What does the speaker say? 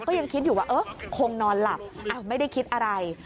ก็ยังคิดอยู่ว่าเออคงนอนหลับไม่ได้คิดอะไร